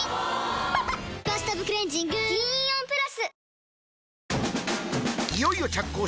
・おぉ「バスタブクレンジング」銀イオンプラス！